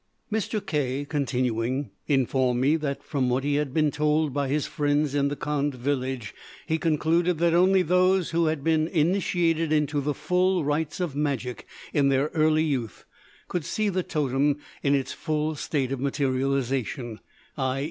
Mr. K , continuing, informed me that from what he had been told by his friend in the Kandh village, he concluded that only those who had been initiated into the full rites of magic in their early youth could see the totem in its full state of materialization, _i.